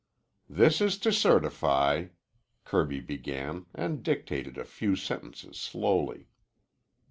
"This is to certify " Kirby began, and dictated a few sentences slowly.